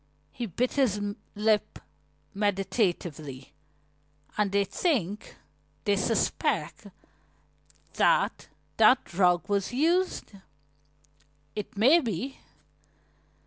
He bit his lip meditatively. "And they think they suspect that that drug was used? It may be."